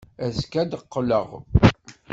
Azekka ad d-qqleɣ.